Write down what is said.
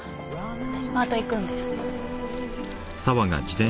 私パート行くんで。